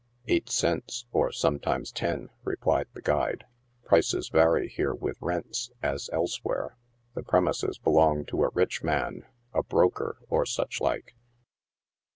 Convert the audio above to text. " Eight cents, or sometimes ten," replied the guide ; u . prices vary here with rents, as elsewhere. The premises belong to a rich man — a broker, or such like."